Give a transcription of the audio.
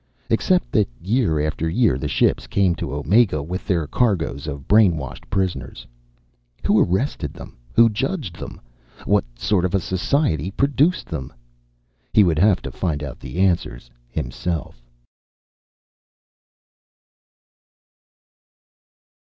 Except that year after year, the ships came to Omega with their cargoes of brainwashed prisoners. Who arrested them? Who judged them? What sort of a society produced them? He would have to find out the answers himself.